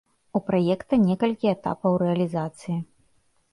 У праекта некалькі этапаў рэалізацыі.